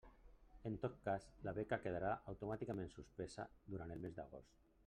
En tot cas, la beca quedarà automàticament suspesa durant el mes d'agost.